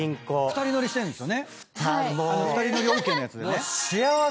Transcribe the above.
２人乗りＯＫのやつでね。